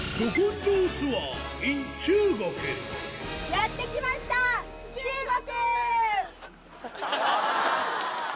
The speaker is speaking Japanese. やって来ました中国！